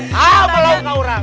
hah belong ka orang